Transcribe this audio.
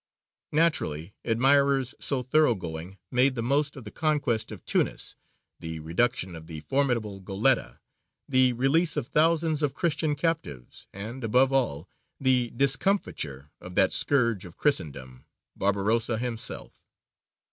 " Naturally admirers so thoroughgoing made the most of the conquest of Tunis, the reduction of the formidable Goletta, the release of thousands of Christian captives, and, above all, the discomfiture of that scourge of Christendom, Barbarossa himself.